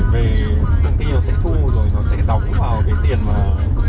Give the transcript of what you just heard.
về công ty sẽ thu rồi nó sẽ đóng vào cái tiền mà